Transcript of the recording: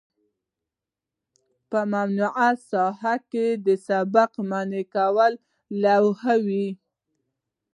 په ممنوعه ساحو کې د سبقت منع کولو لوحې وي